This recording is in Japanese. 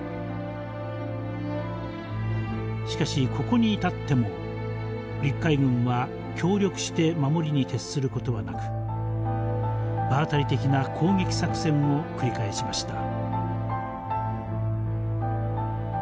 しかしここに至っても陸海軍は協力して守りに徹する事はなく場当たり的な攻撃作戦を繰り返しました。